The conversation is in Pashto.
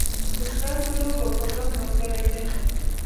زړه ټولو وفادار ملګری دی.